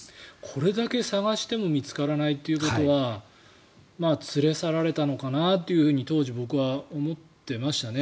これだけ捜しても見つからないっていうことは連れ去られたのかなと当時、僕は思っていましたね。